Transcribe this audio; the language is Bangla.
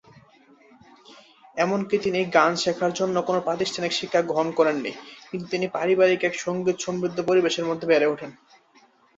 এমনকি তিনি গান শেখার জন্য কোন প্রাতিষ্ঠানিক শিক্ষা গ্রহণ করেননি কিন্তু তিনি পরিবারে এক সঙ্গীত সমৃদ্ধ পরিবেশের মধ্যে বেড়ে উঠেন।